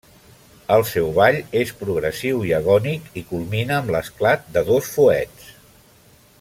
El seu ball és progressiu i agònic, i culmina amb l'esclat de dos fuets.